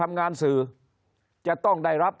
คนในวงการสื่อ๓๐องค์กร